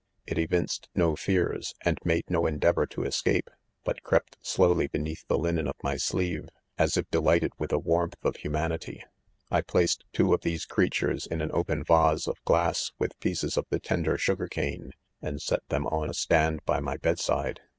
It evinced no fears, and made no endeavor to escape, but crept slowly beneath the linen of my sleeve s as if delighted with the warmth' : of humanity, I placed two of these creatures in an open vase of glass, with pieces of the tender sugar cane, and set them on a stand by my bed side.